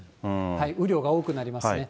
雨量が多くなりますね。